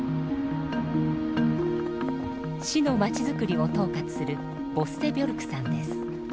市のまちづくりを統括するボッセ・ビョルクさんです。